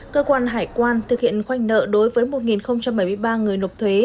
cơ quan hải quan thực hiện khoanh nợ đối với một bảy mươi ba người nộp thuế